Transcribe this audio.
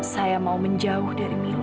saya mau menjauh dari milu